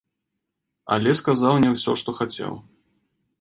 Але сказаў не ўсё, што хацеў.